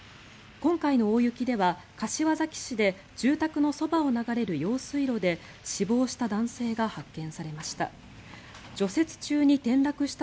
今回の大雪では柏崎市で住宅のそばを流れる用水路で死亡した男性が発見されました。